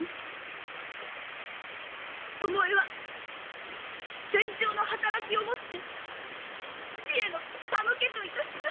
巴は戦場の働きをもって父への手向けといたします。